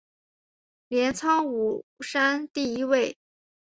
镰仓五山第一位。